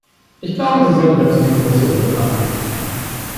Ich glaube, Sie sollten dazu die Kommission befragen.